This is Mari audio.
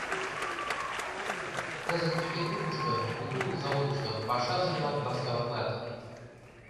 Кызытат Петербургышто, Путилов заводышто, пашазе-влак бастоватлат.